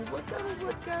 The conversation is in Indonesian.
buat kamu buat kamu